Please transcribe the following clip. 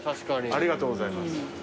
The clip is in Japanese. ありがとうございます。